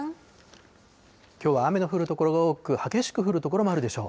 きょうは雨の降る所が多く、激しく降る所もあるでしょう。